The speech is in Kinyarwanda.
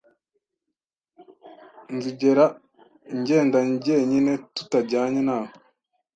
Nzigera ngenda jyenyine tutajyanye nawe